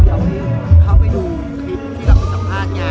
อเรนนี่มากันนาน